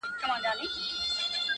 • د حج پچه کي هم نوم د خان را ووت ..